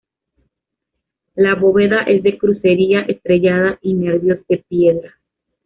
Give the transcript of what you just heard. La bóveda es de crucería estrellada y nervios de piedra.